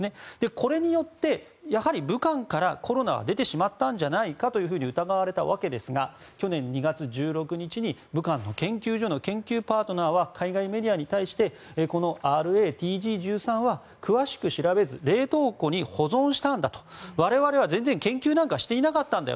これによってやはり、武漢からコロナは出てしまったんじゃないかと疑われたわけですが去年２月１６日に武漢の研究所の研究パートナーは海外メディアに対してＲａＴＧ１３は詳しく調べず冷凍庫に保存したんだと我々は全然研究なんかしていなかったんだよ。